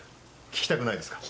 聞きたくないですか？